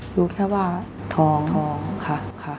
รู้แค่ว่าท้องท้องค่ะ